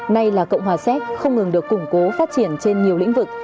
nay là cộng hòa séc không ngừng được củng cố phát triển trên nhiều lĩnh vực